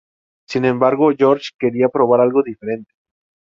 Sin embargo, George quería probar algo diferente.